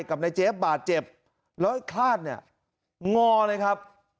กับนายเจฟบาดเจ็บแล้วไอ้คลาดเนี่ยงอเลยครับ